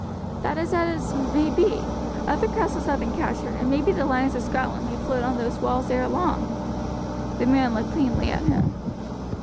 "That is as it may be. Other castles have been captured, and maybe the lion of Scotland may float on those walls ere long." The man looked keenly at him.